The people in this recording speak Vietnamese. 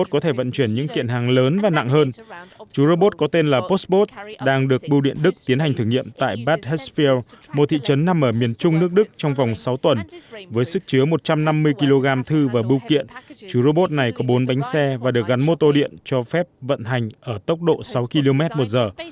các nhà nghiên cứu tại việt nam sẽ được gắn xe và được gắn mô tô điện cho phép vận hành ở tốc độ sáu km một giờ